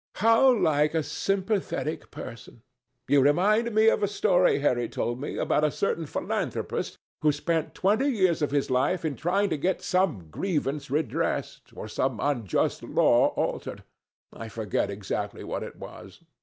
How like a sympathetic person! You remind me of a story Harry told me about a certain philanthropist who spent twenty years of his life in trying to get some grievance redressed, or some unjust law altered—I forget exactly what it was.